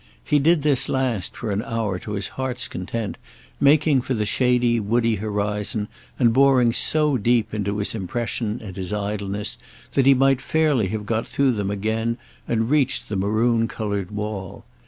He did this last, for an hour, to his heart's content, making for the shady woody horizon and boring so deep into his impression and his idleness that he might fairly have got through them again and reached the maroon coloured wall.